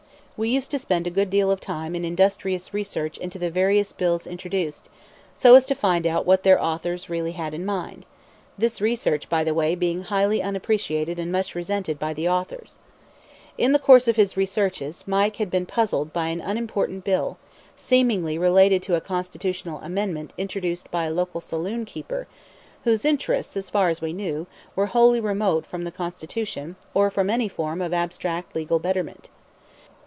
We used to spend a good deal of time in industrious research into the various bills introduced, so as to find out what their authors really had in mind; this research, by the way, being highly unappreciated and much resented by the authors. In the course of his researches Mike had been puzzled by an unimportant bill, seemingly related to a Constitutional amendment, introduced by a local saloon keeper, whose interests, as far as we knew, were wholly remote from the Constitution, or from any form of abstract legal betterment.